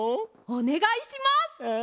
おねがいします。